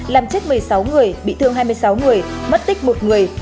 làm chết một mươi sáu người bị thương hai mươi sáu người mất tích một người